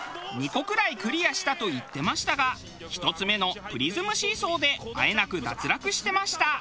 「２個くらいクリアした」と言ってましたが１つ目のプリズムシーソーであえなく脱落してました。